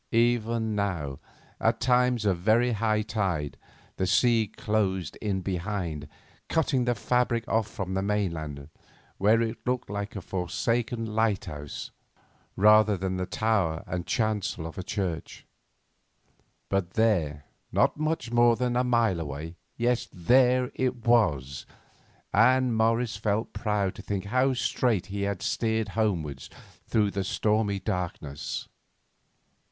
Even now, at times of very high tide, the sea closed in behind, cutting the fabric off from the mainland, where it looked like a forsaken lighthouse rather than the tower and chancel of a church. But there, not much more than a mile away, yes, there it was, and Morris felt proud to think how straight he had steered homewards through that stormy darkness.